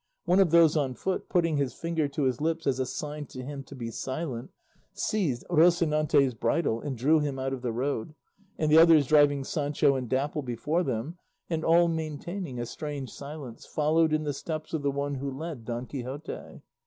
One of those on foot, putting his finger to his lips as a sign to him to be silent, seized Rocinante's bridle and drew him out of the road, and the others driving Sancho and Dapple before them, and all maintaining a strange silence, followed in the steps of the one who led Don Quixote.